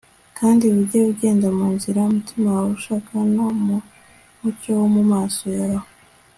kandi ujye ugenda mu nzira umutima wawe ushaka no mu mucyo wo mu maso yawe